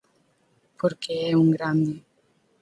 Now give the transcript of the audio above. Porque é un grande.